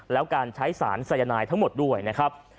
แล้วการใช้สารสายนายทั้งหมดด้วยนะครับ